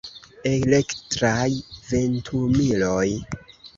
Elektraj ventumiloj.